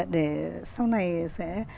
để sau này sẽ